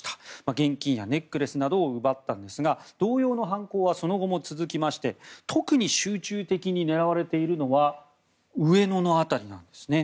現金やネックレスなどを奪ったんですが同様の犯行はその後も続きまして特に集中的に狙われているのは上野の辺りなんですね。